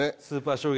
スーパー